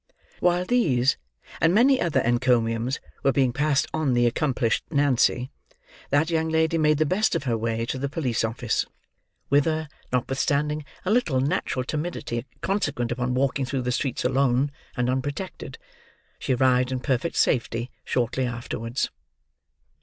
While these, and many other encomiums, were being passed on the accomplished Nancy, that young lady made the best of her way to the police office; whither, notwithstanding a little natural timidity consequent upon walking through the streets alone and unprotected, she arrived in perfect safety shortly afterwards.